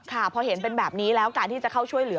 ค่ะพอเห็นเป็นแบบนี้แล้วการที่จะเข้าช่วยเหลือ